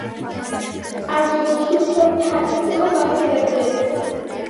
წარსულში უფრო ფართოდ იყო გავრცელებული.